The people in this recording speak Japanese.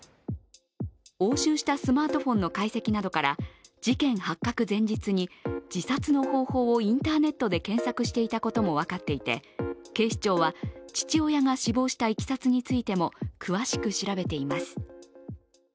押収したスマートフォンの解析などから事件発覚前日に自殺の方法をインターネットで検索していたことも分かっていて、警視庁は父親が死亡したいきさつについても詳しく調べています。